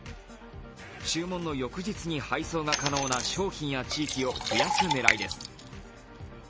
注文の翌日に配送が可能な商品や地域を増やす狙いです。